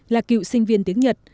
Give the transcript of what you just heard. là cựu sinh viên tiếng nhật